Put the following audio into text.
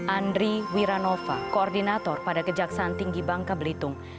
andri wiranova koordinator pada kejaksaan tinggi bangka belitung